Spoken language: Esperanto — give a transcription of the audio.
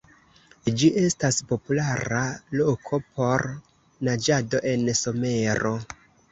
Ĝi estas populara loko por naĝado en somero.